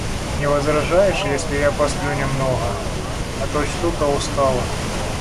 Не возражаешь, если я посплю немного, а то что-то устала?